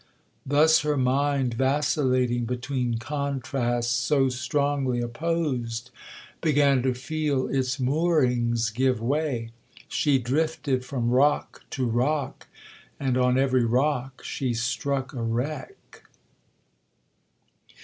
Thus her mind, vacillating between contrasts so strongly opposed, began to feel its moorings give way. She drifted from rock to rock, and on every rock she struck a wreck.